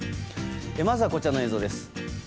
まずはこちらの映像です。